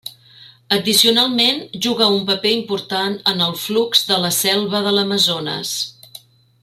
Addicionalment juga un paper important en el flux de la selva de l'Amazones.